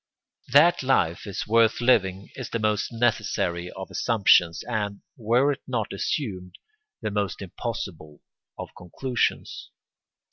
That life is worth living is the most necessary of assumptions and, were it not assumed, the most impossible of conclusions.